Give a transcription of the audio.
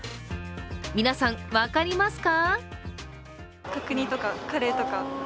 皆さん、分かりますか？